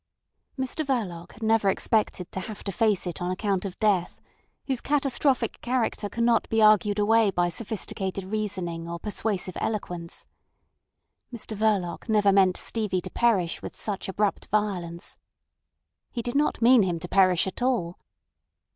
Mr Verloc had never expected to have to face it on account of death, whose catastrophic character cannot be argued away by sophisticated reasoning or persuasive eloquence. Mr Verloc never meant Stevie to perish with such abrupt violence. He did not mean him to perish at all.